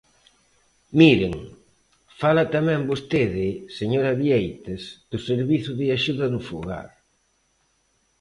Miren, fala tamén vostede, señora Bieites, do servizo de axuda no fogar.